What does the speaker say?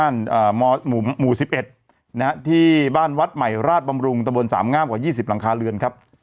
ในบ้านวัดใหม่ราตบำรุงตระบวน๓ง่าบกว่า๒๐หลังคาเรือน